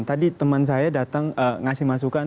tadi teman saya datang ngasih masukan